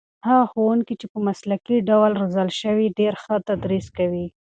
هغه ښوونکي چې په مسلکي ډول روزل شوي ډېر ښه تدریس کوي.